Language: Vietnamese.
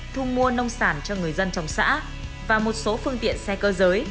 thu mua nông sản cho người dân trong xã và một số phương tiện xe cơ giới